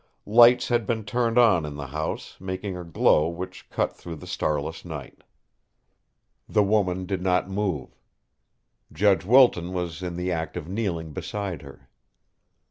Lights had been turned on in the house, making a glow which cut through the starless night. The woman did not move. Judge Wilton was in the act of kneeling beside her.